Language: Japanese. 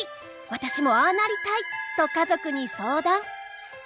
私もああなりたい」と家族に相談。